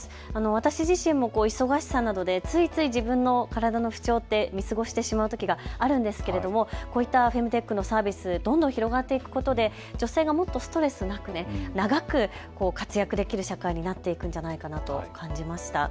私自身も忙しさなどでついつい自分の体の不調って見過ごしてしまうときがあるんですけれどもこういったフェムテックのサービス、どんどん広がっていくことで女性がもっとストレスなく長く活躍できる社会になっていくんじゃないかなと感じました。